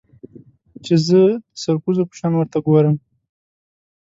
چې زه د سرکوزو په شان ورته گورم.